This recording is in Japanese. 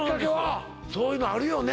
そういうのあるよね